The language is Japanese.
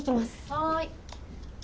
はい。